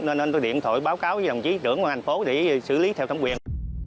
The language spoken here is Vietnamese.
nên tôi điện thoại báo cáo với đồng chí trưởng ngành phố để xử lý theo thẩm quyền